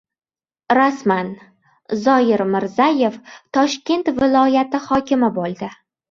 Rasman: Zoyir Mirzayev Toshkent viloyati hokimi bo‘ldi